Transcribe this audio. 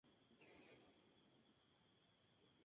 Esto demostraría que era más exitosa de la banda.